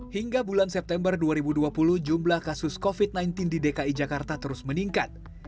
hingga bulan september dua ribu dua puluh jumlah kasus covid sembilan belas di dki jakarta terus meningkat